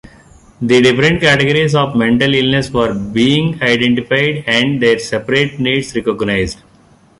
The different categories of mental illness were being identified and their separate needs recognised.